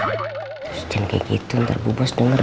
terus jangan kayak gitu ntar bubos denger